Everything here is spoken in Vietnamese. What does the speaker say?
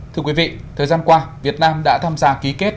thưa quý vị thời gian qua việt nam đã tham gia ký kết